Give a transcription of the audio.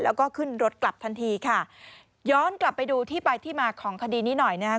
แล้วก็ขึ้นรถกลับทันทีค่ะย้อนกลับไปดูที่ไปที่มาของคดีนี้หน่อยนะครับ